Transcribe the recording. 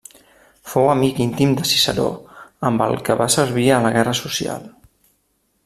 Fou amic íntim de Ciceró, amb el que va servir a la guerra social.